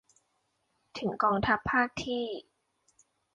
ถึงกองทัพภาคที่